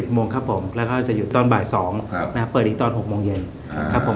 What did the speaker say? โมงครับผมแล้วก็จะหยุดตอนบ่าย๒เปิดอีกตอน๖โมงเย็นครับผม